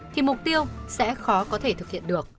thì mục tiêu sẽ khó có thể thực hiện được